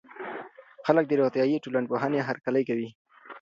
خلګ د روغتيائي ټولنپوهنې هرکلی کوي.